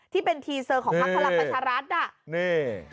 ที่เป็นทีเซอร์ของภาคพลักษณ์ประชารัฐ